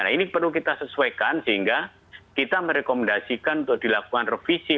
nah ini perlu kita sesuaikan sehingga kita merekomendasikan untuk dilakukan revisi